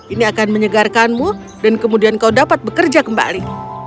ini akan menyegarkanmu dan kemudian kau dapat bekerja kembali